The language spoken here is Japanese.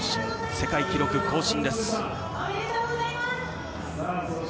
世界記録、更新です。